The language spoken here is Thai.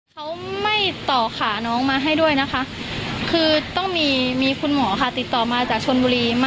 เขาไม่ต่อขาน้องมาให้ด้วยนะคะคือต้องมีมีคุณหมอค่ะติดต่อมาจากชนบุรี